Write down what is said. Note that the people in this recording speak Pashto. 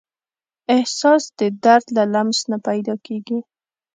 احساس د درد له لمس نه پیدا کېږي.